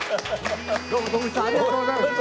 どうも徳光さんありがとうございました。